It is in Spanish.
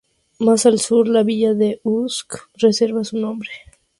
Más al sur la villa de Usk lleva su nombre.